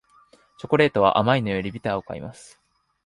チョコレートは甘いのよりビターを買います